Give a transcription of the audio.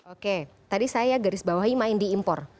oke tadi saya garis bawahi main di impor